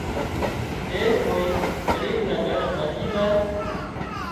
زي ڪوئي ڳريٻ نان گھر هرڄي زائي